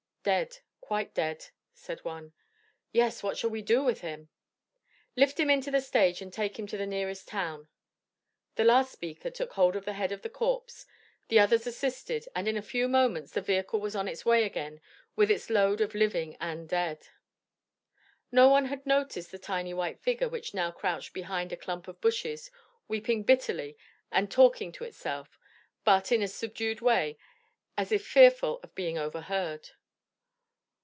"Dead, quite dead," said one. "Yes, what shall we do with him?" "Lift him into the stage and take him to the next town." The last speaker took hold of the head of the corpse, the others assisted, and in a few moments the vehicle was on its way again with its load of living and dead. No one had noticed the tiny white figure which now crouched behind a clump of bushes weeping bitterly and talking to itself, but, in a subdued way as if fearful of being overheard.